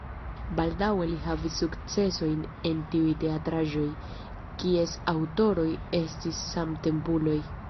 Baldaŭe li havis sukcesojn en tiuj teatraĵoj, kies aŭtoroj estis samtempuloj.